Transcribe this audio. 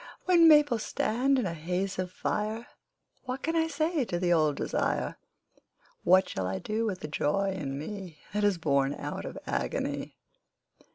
When maples stand in a haze of fire What can I say to the old desire, What shall I do with the joy in me That is born out of agony?